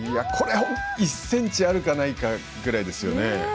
これは１ｃｍあるかないかぐらいですよね。